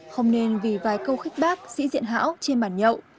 không nên vì vài câu khích bác sĩ diện hảo trên bàn nhậu